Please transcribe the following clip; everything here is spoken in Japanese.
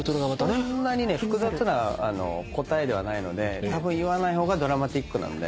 そんなにね複雑な答えではないのでたぶん言わない方がドラマチックなんで。